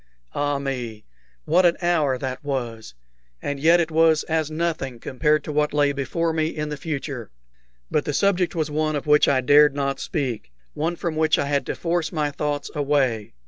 Ah me! what an hour that was! And yet it was as nothing compared to what lay before me in the future. But the subject was one of which I dared not speak one from which I had to force my thoughts away.